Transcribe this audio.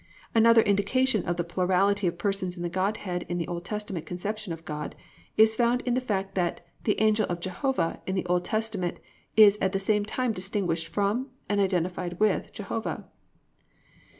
5. Another indication of the plurality of persons in the Godhead in the Old Testament conception of God is found in the fact that "The Angel of Jehovah" in the Old Testament is at the same time distinguished from and identified with Jehovah.